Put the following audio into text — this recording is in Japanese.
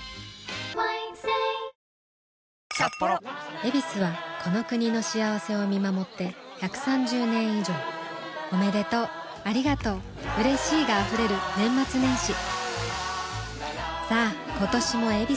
「ヱビス」はこの国の幸せを見守って１３０年以上おめでとうありがとううれしいが溢れる年末年始さあ今年も「ヱビス」で